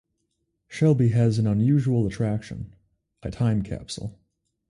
Shelby has an unusual attraction - a time capsule.